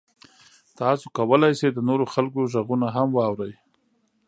تاسو کولی شئ د نورو خلکو غږونه هم واورئ.